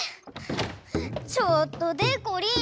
ちょっとでこりん。